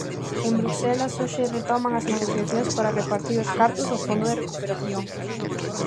En Bruxelas hoxe retoman as negociacións para repartir os cartos do fondo de recuperación.